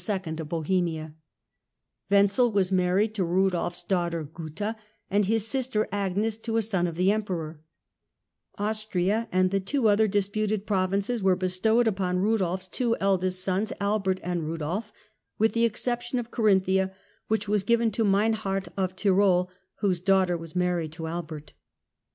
of Bohemia ; Wenzel was married to Eudolf 's daughter Guta, and his sister Agnes to a son of the Emperor ; Austria and the other disputed provinces were bestowed upon Eudolf 's two eldest sons, Albert and Eudolf, with the exception of Carinthia which was given to Meinhard of Tyrol, whose daughternouse of was married to Albert.